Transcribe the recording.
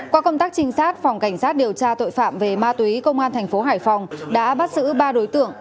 qua công tác trinh sát phòng cảnh sát điều tra tội phạm về ma túy công an thành phố hải phòng đã bắt giữ ba đối tượng